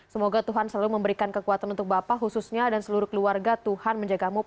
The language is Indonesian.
semoga tuhan selalu memberikan kekuatan untuk bapak khususnya dan seluruh keluarga tuhan menjagamu